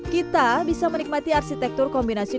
kita bisa menikmati arsitektur kombinasi